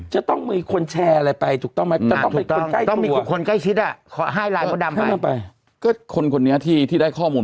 จะต้องมีคนแชร์อะไรไปถูกต้องไหมต้องมีคนใกล้คุณ